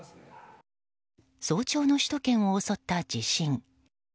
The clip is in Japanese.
早朝の首都圏を襲った地震。